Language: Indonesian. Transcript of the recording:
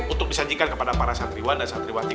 untuk disajikan kepada para santriwa dan santriwa tiplung